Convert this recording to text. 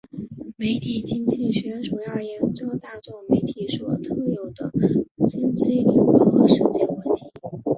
媒体经济学主要研究大众媒体所特有的经济理论和实践问题。